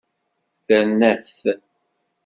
Terna-t.